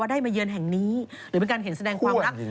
ได้มาเยือนแห่งนี้หรือเป็นการเห็นแสดงความรัก